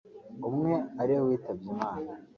umwe ari we witabye Imana